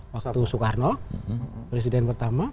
waktu soekarno presiden pertama